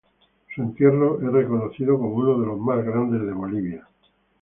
Su entierro es reconocido como uno de los más grandes de Bolivia.